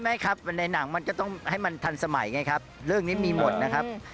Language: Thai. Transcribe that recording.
ไม่ครับในหนังมันก็ต้องให้มันทันสมัยไงครับเรื่องนี้มีหมดนะครับ